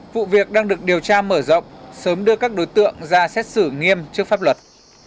vụ việc đang được điều tra mở rộng sớm đưa các đối tượng ra xét xử nghiêm trước pháp luật